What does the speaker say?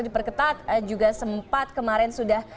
diperketat juga sempat kemarin sudah